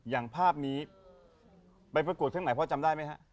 อย่างภาพนี้ไปประกวดข้างไหนพ่อจำได้ไหมฮะ